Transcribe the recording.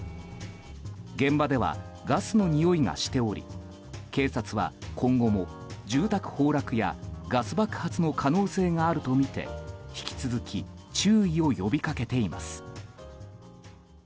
現場ではガスの臭いがしており警察は今後も、住宅崩落やガス爆発の可能性があるとみて引き続き注意を呼び掛けています。